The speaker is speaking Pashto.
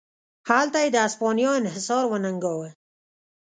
هلته یې د هسپانیا انحصار وننګاوه.